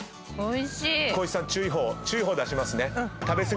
光一さん注意報注意報出しますね。